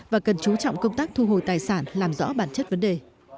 và cần chú trọng công tác thu hồi tài sản làm rõ bản chất vấn đề